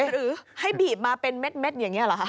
หรือให้บีบมาเป็นเม็ดอย่างนี้เหรอคะ